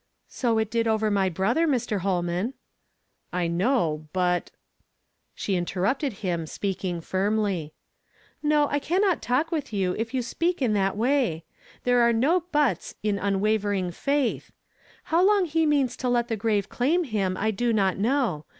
" So it did over my brother, Mr. Holman." "I know — but" She interrupted him, speaking firmly. " No, I cannot talk with you if you speak in that way. There are no 'buts' in unwavering faith. How long he means to let the grave claim him I do not know.